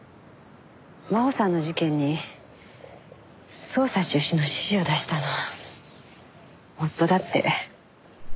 真穂さんの事件に捜査中止の指示を出したのは夫だって。